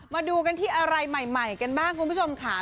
มาดูกันที่อะไรใหม่กันบ้างคุณผู้ชมค่ะ